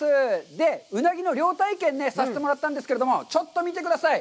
で、うなぎの漁体験させてもらったんですけれども、ちょっと見てください！